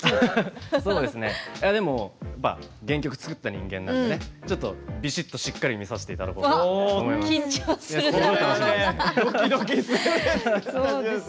でも原曲作った人間なのでちょっと、びしっとしっかり見させていただこうと思います。